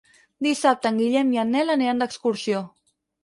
Dissabte en Guillem i en Nel aniran d'excursió.